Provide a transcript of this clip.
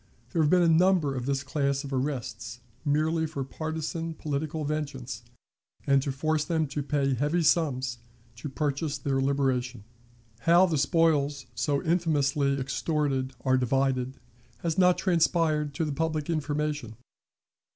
There have been a number of this class of arrests, merely for partisan political vengeance, and to force them to pay heavy sums to purchase their liberation. How the spoils so infamously extorted are divided, has not transpired to the public information.